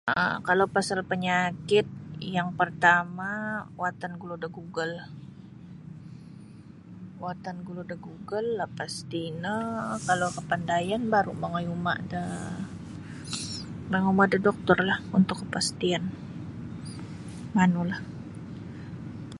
um kalau pasal penyakit yang pertama watan gulu da Google watan gulu da Google lapastino kalau kapandaian baru mongoi uma da mongoi uma da dukturlah untuk kapastian manulah